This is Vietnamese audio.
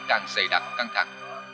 càng dày đặn căng thẳng